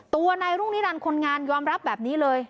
ตัวในรุ่นนี้ดังคนงานยอมรับแบบนี้เลย